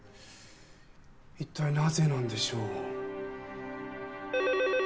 一体なぜなんでしょう？